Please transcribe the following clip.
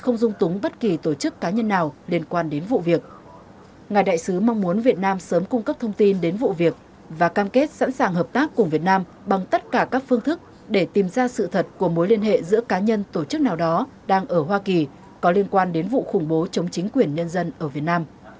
ngài mong muốn việt nam sớm cung cấp thông tin đến vụ việc và cam kết sẵn sàng hợp tác cùng việt nam bằng tất cả các phương thức để tìm ra sự thật của mối liên hệ giữa cá nhân tổ chức nào đó đang ở hoa kỳ có liên quan đến vụ khủng bố chống chính quyền nhân dân ở việt nam